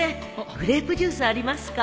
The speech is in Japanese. グレープジュースありますか？